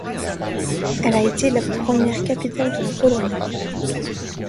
Elle a été la première capitale de la Pologne.